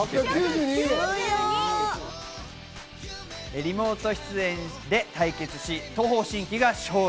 リモート出演で対決し、東方神起が勝利。